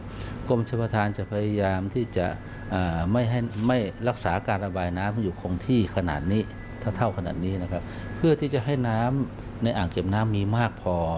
ยเยิ๊คตัวอย่างเช่นเคือนภูมิพลจังหวัดตากจะต้องกักเก็บน้ำให้อยู่ในเกณฑ์เกือบ๖พันล้านลูกบาทเมตรก่อน